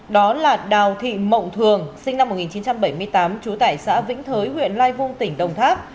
đó là đào thị mộng thường sinh năm một nghìn chín trăm bảy mươi tám trú tại xã vĩnh thới huyện lai vung tỉnh đồng tháp